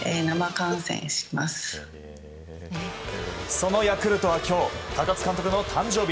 そのヤクルトは今日高津監督の誕生日。